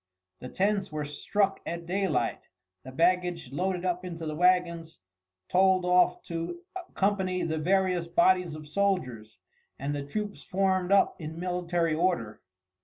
The tents were struck at daylight, the baggage loaded up into the wagons told off to accompany the various bodies of soldiers, and the troops formed up in military order.